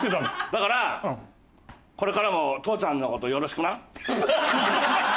だからこれからも父ちゃんの事よろしくな。